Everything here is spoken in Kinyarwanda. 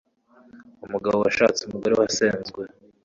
umugabo washatse umugore wasenzwe